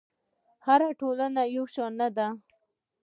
هره ټولنه یو شان نه ده.